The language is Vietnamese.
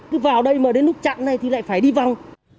cứ vào đây mà đến lúc chặn này thì lại phải đi vòng